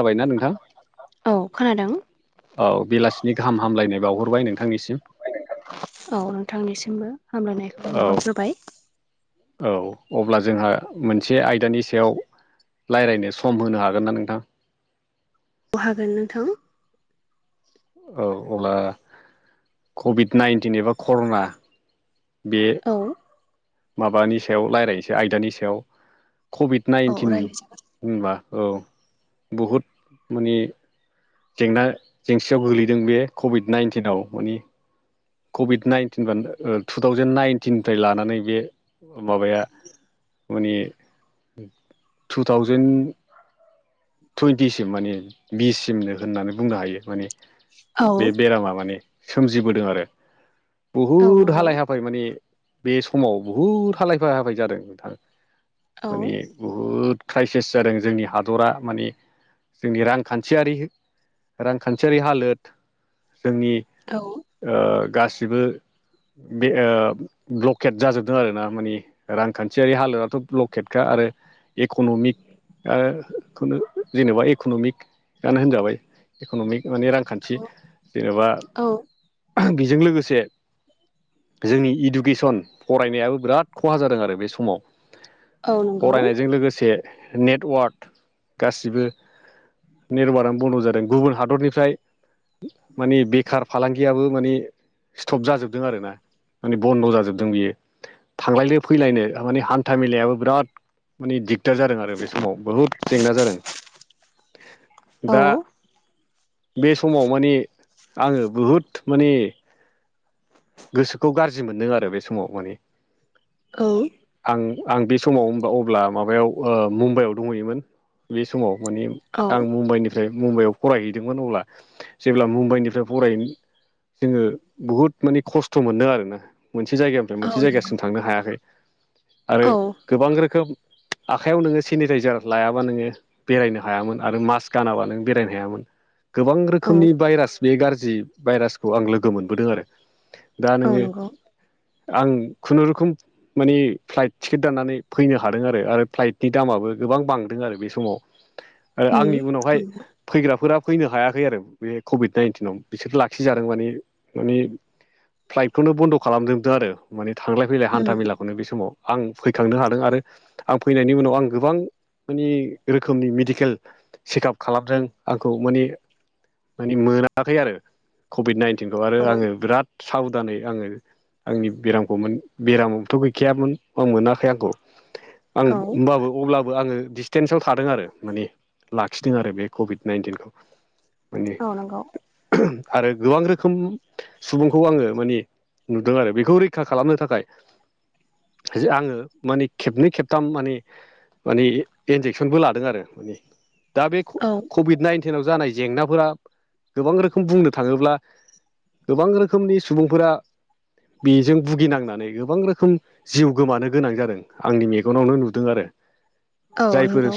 जाबायना नोंथां? औ खोनादों औ बेलासिनि गाहाम हामलायनाय बावहरबाय नोंथांनिसिम। औ नोंथांनिसिमबो हामलायनायखौ औ बावहरग्रोबाय। औ अब्ला जोंहा मोनसे आयदानि सायाव रायज्लायनो सम होनो हागोन ना नोंथां? अ हागोन नोंथां। औ अब्ला कभिड नाइन्टिन एबा कर'ना। बे औ माबानि सायाव रायज्लायसै आयदानि सायाव कभिड औ नाइन्टिन। रायज्लायजागोन होनबा औ बहुद माने जेंना जेंसियाव गोलैदों बे कभिड नाइन्टिनाव माने कभिड नाइन्टिन बान ओ टु थावजेेन नाइनटिननिफ्राय लानानै बे माबाया। माने टु थावजेेन टुइन्टिसिम माने बिससिमनो होननानै बुंनो हायो माने बे औ बेरामा माने। सोमजिबोदों आरो औ बुहुद नंगौ हालाय हाफ फाय माने बे समाव बुहुद हालायफा हाफाय जादों नोंथाङा औ माने। बुहुद क्राइसिस जादों जोंनि हादरा। माने जोंनि रांखान्थियारि रांखान्थियारि हालोद जोंनि औ ओ गासिबो बे ओ ब्लकेट जाजोबदों आर ना माने। रांखान्थियारि हालोदथ' ब्लकेटखा आरो इक'न'मिक ओ खुनो जेनेबा इकन'मिकआनो होनजाबाय इकन'मिक माने रां औ खान्थि जेनेबा औ ओ बेजों लोगोसे। जोंनि इडुकेसन फरायनायाबो बिराद खहा जादों आरो बे समाव। औ नंगौ फरायनायजों लोगोसे नेटवार्क। गासिबो नेटवार्कआ बन्द' जादों गुबुन हादरनिफ्राय माने बेखार फालांगियाबो माने स्टप जाजोबदों आर ना माने बन्द' जाजोबदों बियो। थांलायनो फैलायनो माने हान्था मेलायाबो बिराद माने दिगदार जादों आरो बे समाव बहुद। जेंना जादों औ दा बे समाव माने आङो बहुद माने। गोसोखौ गाज्रि मोनदों आरो बे समाव माने औ आं आं बे समाव होनबा अब्ला माबायाव मुम्बाइआव दंहैयोमोन बे समाव माने औ आं मुम्बाइनिफ्राय मुम्बाइआव फरायहैदोंमोन अब्ला जेब्ला मुम्बाइनिफ्राय फराय जोङो बुहुद मानि खस्थ' मोनदों आरोना मोनसे जायगानिफ्राय मोनसे औ जायगासिम थांनो हायाखै। आरो गोबां रोखोम आखाइयाव नोङो सेनिटाइजार लायाबा नोङो बेरायनो हायामोन आरो मास्क गानाबा नों बेरायनो हायामोन। गोबां औ रोखोमनि भाइरास बे गाज्रि भाइरासखौ आं लोगो मोनबोदों आरो दा औ नोङो नंगौ आं खुनुरुखुम मानि फ्लाइट टिकेट दाननानै फैनो हादों आरो आरो फ्लाइटनि दामाबो गोबां बांदों आरो बे समाव उम आंनि उनावहाय फैग्राफोरा फैनो हायाखै आरो बे कभिड नाइनटिनाव बिसोर लाखिजादों माने फ्लाइटखौनो बन्द' खालामजोबदों आरो माने थांलाय फैलाय उम हान्था मेलाखौनो बे समाव आं फैखांनो हादों आरो आं फैनायनि उनाव आं गोबां माने रोखोमनि मेडिकेल चेकआप खालामदों आंखौ माने मानि मोनाखै आरो कभिड नाइन्टिनखौ आरो औ आङो बिराद साबधानै आङो आंनि बेरामखौमोन बेरामाबोथ' गैखायामोन बा मोनाखै आंखौ आं औ होमबाबो अब्ला आङो डिसटेन्सआव थादों आरो माने लाखिदों आरो बे कभिड नाइन्टिनखौ माने औ नंगौ आरो गोबां रोखोम सुबुंखौ आङो मानि नुदों आरो बेखौ रैखा खालामनो थाखाय आङो माने खेबनै खेबथाम माने माने इन्जेकसनबो लादों आरो माने दा बे औ कभिड नाइन्टिनाव जानाय जेंनाफोरा गोबां रोखोम बुंनो थाङोब्ला गोबां रोखोमनि सुबुंफोरा बेजों भुगिनांनानै गोबां रोखोम जिउ गोमानो गोनां जादों आंनि मेगनावनो नुदों आरो औ जायफोर नंगौ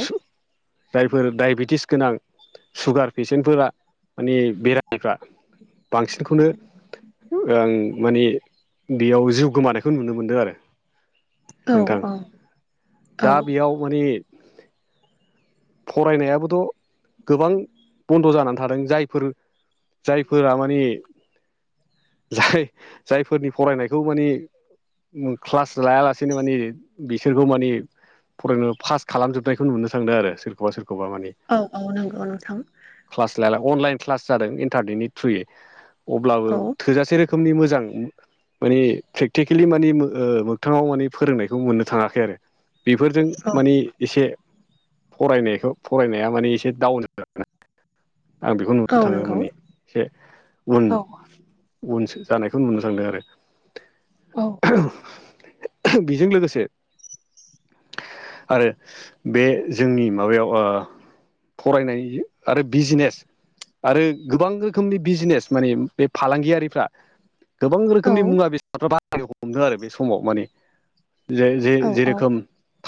जायफोर डायबेटिस गोनां सुगार पेसेन्टफोरा माने बेरामफ्रा बांसिनखौनो आं माने बेयाव जिउ गोमानायखौ नुनो मोनदों आरो औ नोंथां औ औ दा बेयाव माने फरायनायाबोथ' गोबां बन्द' जानानै थादों जायफोर जायफोरा माने जाय जायफोरनि फरायनायखौ माने क्लास लायालासेनो माने बिसोरखौ माने फरायनो पास खालामजोबनायखौ नुनो थांदों आरो सोरखौबा सोरखौबा मानि औ-औ नंगौ नोंथां क्लास लायाला अनलाइन क्लास जादों इन्टारनेटनि थ्रुयै अब्लाबो औ थोजासे रोखोमनि मोजां माने प्रेकटिकेलि माने मोगथाङाव माने फोरोंनायखौ मोननो थाङाखै आरो बेफोरजों औ माने एसे फरायनायखौ फरायनाया माने एसे डाउन आं बेखौ नुनो औ थाङो नंगौ माने एसे उन औ उन जानायखौ नुनो थांदों आरो औ बेजों लोगोसे आरो बे जोंनि माबायाव फरायनाय आरो बिजनेस आरो गोबां रोखोमनि बिजनेस माने बे फालांगियारिफ्रा गोबां औ रोखोमनि मुवा बेसादफ्रा बारायनो हमदों आरो बे समाव माने जे जे औ जेरोखोम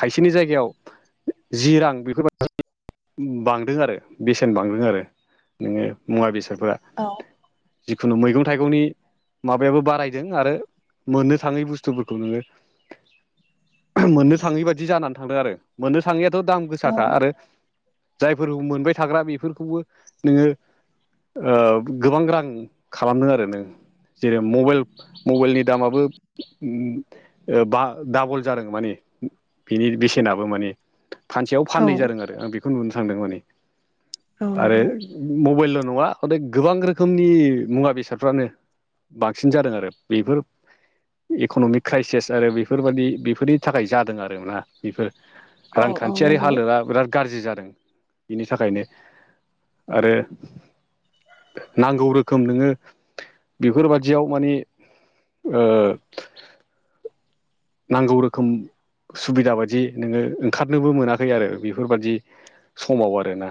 थाइसेनि जायगायाव जि रां बेफोर बायदि बांदों आरो बेसेन बांदों आरो नोङो मुवा बेसादफोरा औ जिखुनु मैगं थाइगंनि माबायाबो बारायदों आरो मोननो थाङै बुस्थुफोरखौ नोङो मोननो थाङै बाददि जानानै थांदों आरो मोननो थाङैयाथ' दाम गोसाखा आरो जायफोर मोनबाय थाग्रा बेफोरखौबो नोङो गोबां रां खालामदों आरो नों जेरै मबाइल मबाइलनि दामाबो बा डाबल जादों माने बिनि बेसेनाबो माने फानसेयाव औ फाननै जादों आरो आं बेखौ नुनो थांदों माने औ आरो नंगौ मबाइलल' नङा माने गोबां रोखोमनि मुवा बेसादफ्रानो बांसिन जादों आरो बेफोर इक'न'मिक क्राइसेस आरो बेफोरबादि बेफोरनि थाखाय जादों आरो ना बेफोर। औ औ रांखान्थियारि नंगौ हालोदा बिराद गारजि जादों बेनि थाखायनो आरो नांगौ रो खोम नोङो बेफोरबादियाव माने ओ नांगौ रोखोम सुबिदा बायदि नोङो ओंखारनोबो मोनाखै आरो बेफोर बादि समाव आरो ना।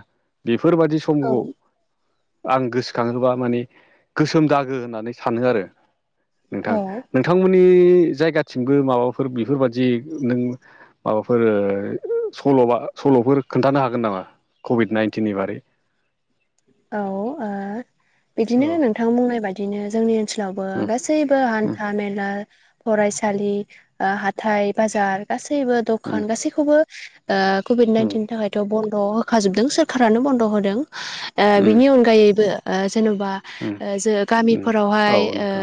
बेफोरबादि औ समखौ आं गोसोखाङोबा माने गोसोम दागो होननानै सानो आरो औ नोंथां। नों थांमोननि जायगाथिंबो माबाफोर बेफोरबादि नों माबाफोर सल'बा सल'फोर खोन्थानो हागोन नामा कभिड नाइन्टिननि बारै औ ओ बिदिनो औ नोंथां बुंनाय बायदिनो जोंनि ओनसोलावबो गास गासैबो उम हान्था मेला फरायसालि ओ हाथाय बाजार गासैबो उम दखान गासैखौबो ओ कभिड उम नाइनटिननि थाखायथ' बन्द' होखाजोबदों सोरखारानो बन्द' होदों। ओ उम बिनि अनगायैबो ओ जेन'बा उम ओ जो उम औ गामिफोरावहाय ओ नोंथां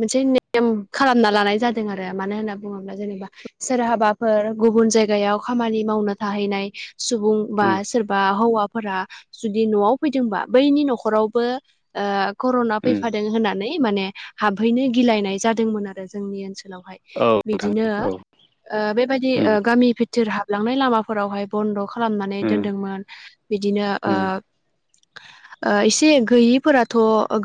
मोनसे नेम खालामना लानाय जादों आरो मानो होनना बुङोब्ला जेनेबा सोरहाबाफोर गुबुन जायगायाव खामानि मावनो थाहैनाय सुबुं बा उम सोरबा हौवाफोरा जुदि न'आव फैदोंबा बैनि न'खरावबो ओ कर'ना उम फैफादों होननानै माने हाबहैनो गिलायनाय जादोंमोन आरो जोंनि ओनसोलावहाय। औ नोंथां बिदिनो औ ओ बेबायदि उम ओ गामि भिथोर हाबलांनाय लामा फोरावहाय बन्द' खालामनानै उम दोनदोंमोन बिदिनो ओ उम ओ एसे गैयिफोराथ'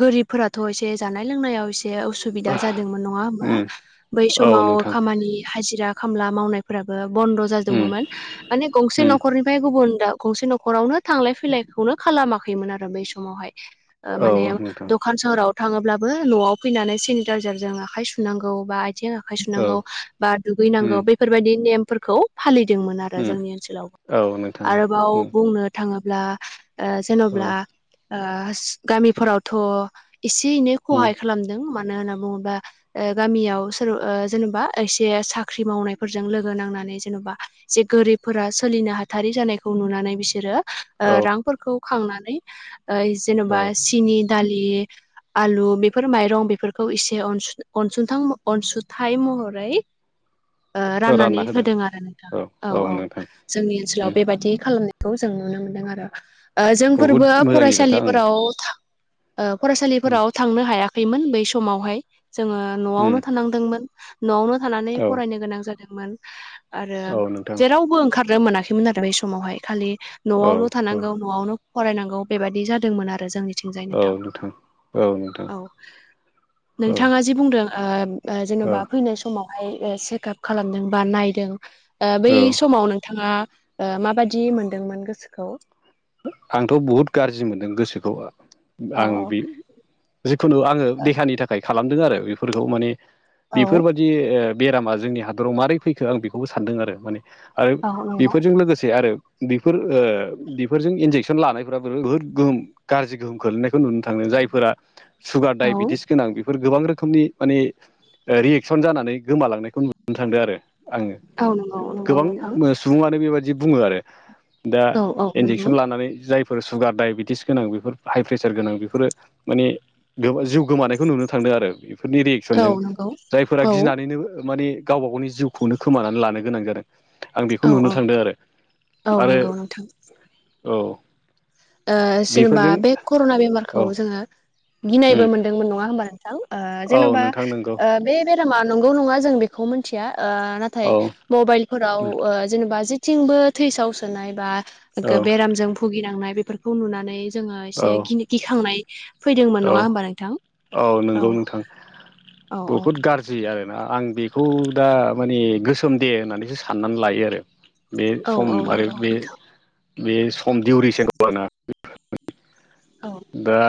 गोरिबफोराथ' एसे जानाय लोंनायाव एसे उसु बिदा जादोंमोन नङा होमबा। उम बै औ समाव नोंथां खामानि हाजिरा खामला मावनाय फोराबो बन्द' उम जाजोबोमोमोन। माने गंसे उम न'खरनिफ्राय गुबुन दाउ गंसे न'खरावनो थांलाय फैलायखौनो खालामाखैमोन आरो बै समावहाय ओ औ माने नोंथां द खान सोहोराव थाङोब्लाबो न'आव फैनानै सेनिटाइजारजों आखाइ सुनांगौ बा आथिं आखाइ औ सुनांगौ बा उम दुगैनांगौ बेफोरबायदि नेमफोरखौ फालिदोंमोन आरो उम जोंनि ओनसोलाव औ नोंथां आरोबाव उम बुंनो थाङोब्ला ओ औ जेन'ब्ला ओस गामिफोरावथ' एसे एनै खहाय उम खालामदों मानो होनना बुङोबा ओ गामियाव सोर ओ जेनेबा एसे साख्रि मावनायफोरजों लोगो नांनानै जेन'बा एसे गोरिब फोरा सोलिनो हाथारि जानायखौ नुनानै बिसोरो ओ औ रांफोरखौ खांनानै ओइ जेनेबा औ सिनि दालि आलु बेफोर माइरं बेफोरखौ इसे अनस अनसुंथां म अनसुथाइ महरै ओ राननानै होदों आरो नोंथां औ औ। जोंनि ओनसोलाव उम बेबायदि खालामनायखौ जों नुनो मोन्दों आरो ओ बहुद जोंफोरबो मोजांनि खोथा ओं फरायसालिफोराव था ओ उम फरायसालिफोराव थांनो हायाखैमोन बै समावहाय जोङो न'आवनो उम थानांदोंमोन। न'आवनो थानानै औ फरायनो गोनां जादोंमोन आरो औ नोंथां जेरावबो ओंखारनो मोनाखैमोन आ बै समावहाय खालि औ न'आवल' औ थानांगौ न'आवनो फरायनांगौ बेबादि जादोंमोन आरो जोंनि निथिंजाय नोंथां। औ औ नोंथाङा जि बुंदों ओब ओ जेन'बा फैनाय समावहाय ओ चेकाप खालामदों बा नायदों ओ बै औ समाव नोंथाङा ओ माबादि मोनदोंमोन गोसोखौ? आंथ' बहुद गारजि मोनदों गोसोखौ औ आं औ बे जिखुनु आङो देहानि थाखाय खालामदों आरो बेफोरखौ माने औ बेफोर बा दि ओ बेरामा जोंनि हादराव मारै फैखो आं बेखौबो सानदों आरो माने आरो औ नंगौ बेफोरजों लोगोसे आरो बेफोर ओ [unintelligible] बेफोरजों इनजेकसन लानायफोरा बुहुत गोहोम गाज्रि गोहोम खोलैनायखौ नुनो थांदों जायफोरा सुगार औ डाइबेटिस गोनां बेफोर गोबां रोखोमनि माने रियेकसन जानानै गोमालांनायखौ नुनो थांदों आरो आङो। औ नंगौ नंगौ नोंथां गोबां सुबुङानो बेबायदि बुङो आरो दा औ औ इन्जेकसन नंगौ लानानै जायफोर सुगार डायबेटिस गोनां बेफोर हाइ प्रेसार गोनां बेफोरो माने जिउ गोमानायखौ नुनो थांदों आरो। बेफोरनि औ रियेक्सनजों नंगौ जायफोरा औ गिनानैनो माने गावबा गावनि जिउखौनो खोमानानै लानो गोनां जादों। आं बेखौ औ नुनो औ थांदों आरो औ आरो नंगौ औ ओं जेनेबा बेफोरजों बे कर'ना औ बेमारखौ जोङो गिनायबो उम मोनदोंमोन। नङा होमबा नों थां? ओ औ जेन'बा नोंथां नंगौ ओं बे बेरामा नंगौ नङा जों बेखौ मिथिया ओं ना थाय औ मबाइलफोराव ओ जेनेबा जेथिंबो थैसाव सोनाय बा औ बेरामजों भुगिनांनाय बेफोरखौ नुनानै जोङो औ एसे गि गिखांनाय औ फैदोंमोन नङा होमबा नोंथां? औ नंगौ नोंथां औ औ बहुद गार गियो आरोना आं बेखौ दा माने गोसोम दे होननानैसो साननानै लायो आरो। बे औ औ सम आरो नंगौ बे नोंथां बे सम दिउरिसनखौ आरो ना औ दा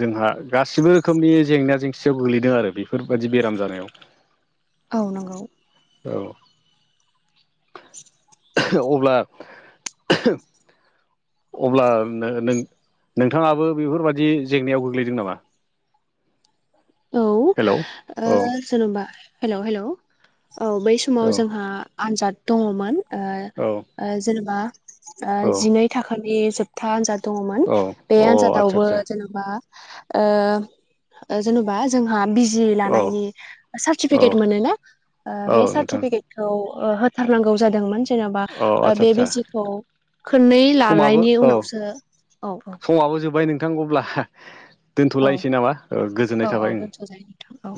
जोंहा गासिबो रोखोमनि जेंना जेंसियाव गोग्लैदों आरो बेफोरबायदि बेराम जानायाव। औ नंगौ। औ। अब्ला अब्ला नों नों नोंथाङाबो बेफोरबायदि जेंनायाव गोग्लैदों नामा? औ हेलौ ओ औ जेनेबा हेलौ हेलौ औ बै समाव औ जोंहा आन्जाद दङ'मोन। औ। ओं जेनेबा ओ औ जिनै थाखानि जोब था आनजाद दङमोन औ बे अ आदसा आनजादावबो आदसा जेनेबा ओ जेन'बा जोंहा बिजि औ लानायनि औ सार्टिफिकेट मोनो ना ओं औ बे नोंथां सार्टिफिकेट औ ओ होथारनांगौ जादोंमोन। जेन'बा औ ओं आदसा बे आदसा बिजसिखौ खोननै समाबो लानायनि औ उनावसो औ औ समाबो जोब्बाय नोंथां। अब्ला औ दोनथ'लायनोसै नामा? औ गोजोननाय औ थाबाय ओं। दोनथ' जायो औ।